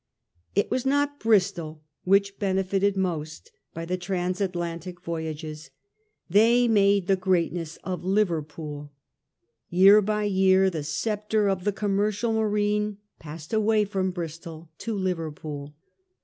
It was not Bristol which benefited most by the Transatlantic 1830. THE PENNY POST. 89 voyages. They made the greatness of Liverpool. Year by year the sceptre of the commercial marine passed away from Bristol to Liverpool.